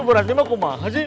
bu ranti mah kok mahal sih